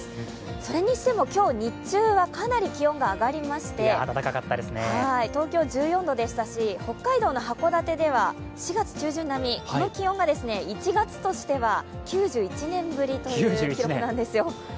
それにしても今日、日中はかなり気温が上がりまして東京１４度でしたし、北海道の函館では４月中旬並みの気温が、１月としては９１年ぶりという記録なんですよ。